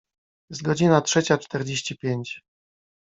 Jest godzina trzecia czterdzieści pięć.